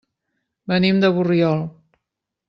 Venim de Borriol.